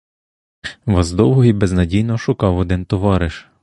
Вас довго й безнадійно шукав один товариш.